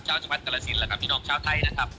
ชาวชะมัดการสินแล้วกับที่น้องชาวไทยนะครับ